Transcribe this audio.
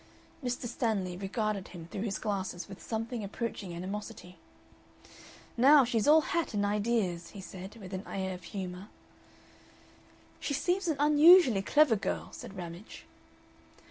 Mr. Stanley regarded him through his glasses with something approaching animosity. "Now she's all hat and ideas," he said, with an air of humor. "She seems an unusually clever girl," said Ramage.